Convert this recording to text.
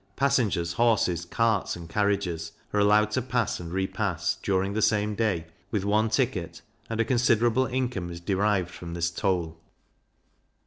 Passengers, horses, carts, and carriages, are allowed to pass and re pass, during the same day, with one ticket; and a considerable income is derived from this toll.